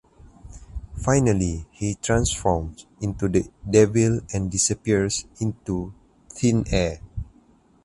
Finally he transforms into the Devil and disappears into thin air.